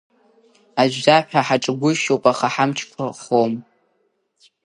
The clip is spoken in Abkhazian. Ажәжәаҳәа ҳаҿгәышьоуп, аха ҳамчқәа хом.